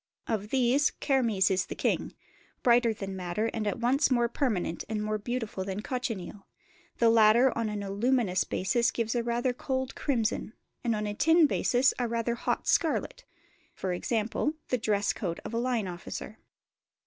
Of these, kermes is the king; brighter than madder and at once more permanent and more beautiful than cochineal: the latter on an aluminous basis gives a rather cold crimson, and on a tin basis a rather hot scarlet (e.g. the dress coat of a line officer).